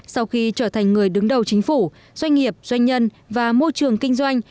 sau khi trở thành người đứng đầu chính phủ doanh nghiệp doanh nhân và môi trường kinh doanh